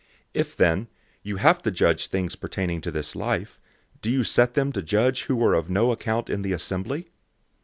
006:004 If then, you have to judge things pertaining to this life, do you set them to judge who are of no account in the assembly?